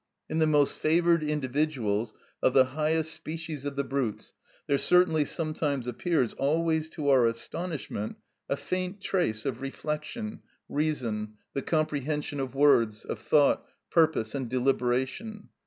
In the most favoured individuals of the highest species of the brutes there certainly sometimes appears, always to our astonishment, a faint trace of reflection, reason, the comprehension of words, of thought, purpose, and deliberation.